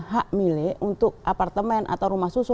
hampir semua apartemennya itu hanya hak guna